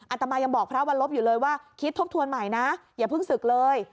ตมายังบอกพระวันลบอยู่เลยว่าคิดทบทวนใหม่นะอย่าเพิ่งศึกเลย